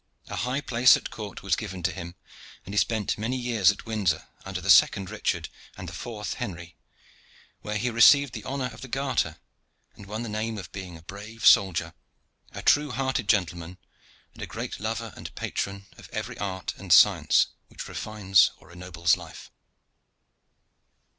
A high place at court was given to him, and he spent many years at Windsor under the second Richard and the fourth Henry where he received the honor of the Garter, and won the name of being a brave soldier, a true hearted gentleman, and a great lover and patron of every art and science which refines or ennobles life.